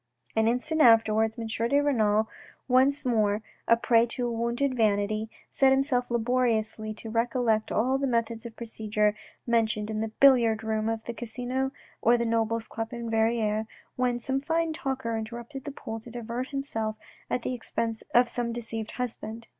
An instant afterwards M. de Renal, once more a prey to wounded vanity, set himself laboriously to recollect all the methods of procedure mentioned in the billiard room of the Casino or the Nobles' Club in Verrieres, when some fine talker interrupted the pool to divert himself at the expense of some deceived husband.